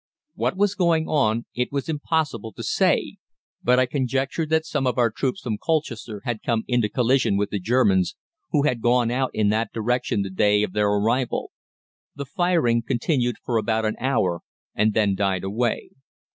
What was going on it was impossible to say, but I conjectured that some of our troops from Colchester had come into collision with the Germans, who had gone out in that direction the day of their arrival. The firing continued for about an hour, and then died away.